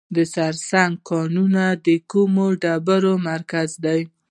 د سرسنګ کانونه د کومې ډبرې مرکز دی؟